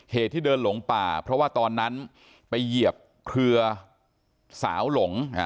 เหตุที่เดินหลงป่าเพราะว่าตอนนั้นไปเหยียบเครือสาวหลง